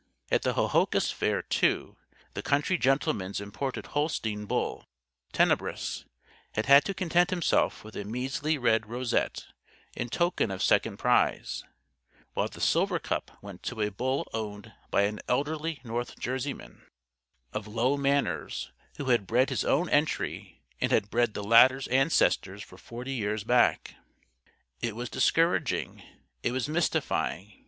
At the Hohokus Fair, too, the Country Gentleman's imported Holstein bull, Tenebris, had had to content himself with a measly red rosette in token of second prize, while the silver cup went to a bull owned by an elderly North Jerseyman of low manners, who had bred his own entry and had bred the latter's ancestors for forty years back. It was discouraging, it was mystifying.